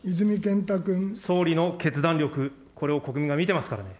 総理の決断力、これを国民が見てますからね。